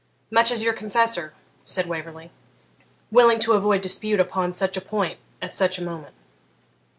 'Much as your confessor,' said Waverley, willing to avoid dispute upon such a point at such a moment.